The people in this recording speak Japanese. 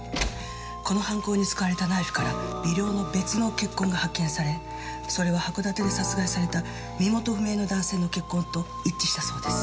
この犯行に使われたナイフから微量の別の血痕が発見されそれは函館で殺害された身元不明の男性の血痕と一致したそうです。